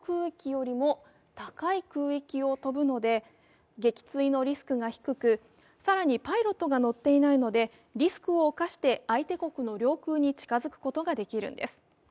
一般的な戦闘機の活動空域よりも高い空域を飛ぶので撃墜のリスクが低く、更にパイロットが乗っていないのでリスクを冒して相手国の領空に近づくことができるんです。